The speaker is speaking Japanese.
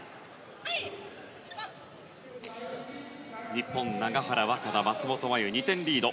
日本永原和可那、松本麻佑２点リード。